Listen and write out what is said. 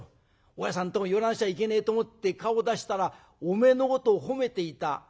大家さんのとこに寄らなくちゃいけねえと思って顔出したらおめえのことを褒めていた。